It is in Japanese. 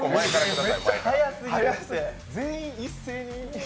全員一斉に。